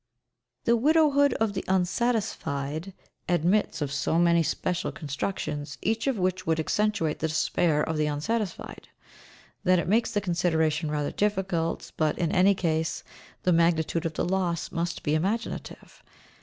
"The widowhood of the unsatisfied" admits of so many special constructions, each of which would accentuate the despair of the unsatisfied, that it makes the consideration rather difficult, but, in any case, the magnitude of the loss must be imaginative.